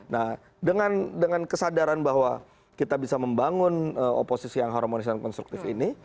nah dengan kesadaran bahwa kita bisa membangun oposisi yang harmonis dan konstruktif ini